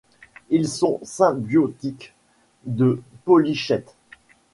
Ils sont symbiotiques de polychètes.